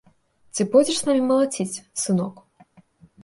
Ці пойдзеш з намі малаціць, сынок?